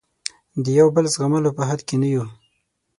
د یو بل زغملو په حد کې نه یو.